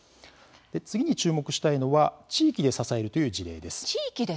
次に、注目したいのは地域で支えるという事例です。